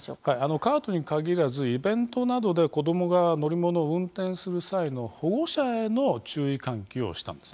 カートに限らずイベントなどで、子どもが乗り物を運転する際の保護者への注意喚起をしたんです。